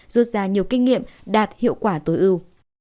rút ra nhiều kinh nghiệm đạt hiệu quả tối ưu